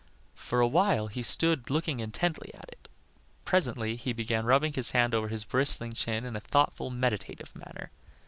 For a while he stood looking intently at it, presently he began rubbing his hand over his bristling chin in a thoughtful, meditative manner.